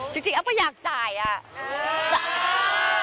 จริงอัพก็อยากจ่ายอ่ะ